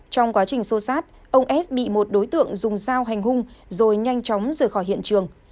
trong quá trình xô sát ông s bị một đối tượng dùng dao hành hung rồi nhanh chóng rời khỏi hiện trường